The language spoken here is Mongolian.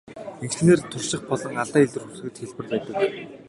Ингэснээр турших болон алдаа илрүүлэхэд хялбар байдаг.